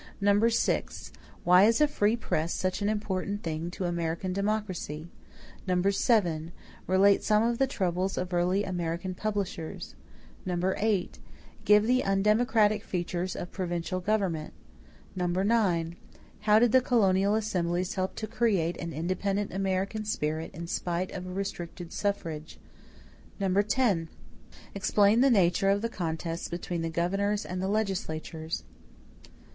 6. Why is a "free press" such an important thing to American democracy? 7. Relate some of the troubles of early American publishers. 8. Give the undemocratic features of provincial government. 9. How did the colonial assemblies help to create an independent American spirit, in spite of a restricted suffrage? 10. Explain the nature of the contests between the governors and the legislatures.